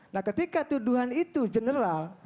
nah ketika tuduhan itu general